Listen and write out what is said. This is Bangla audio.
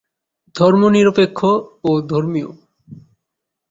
ধর্মনিরপেক্ষ ও ধর্মীয়।